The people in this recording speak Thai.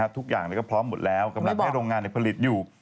ทุกอย่างก็พร้อมหมดแล้วกำลังให้โรงงานผลิตอยู่